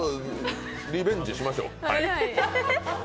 リベンジしましょう、はい。